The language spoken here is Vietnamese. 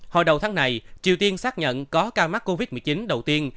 hồi đầu tháng này triều tiên xác nhận có ca mắc covid một mươi chín đầu tiên